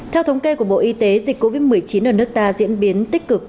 theo thống kê của bộ y tế dịch covid một mươi chín ở nước ta diễn biến tích cực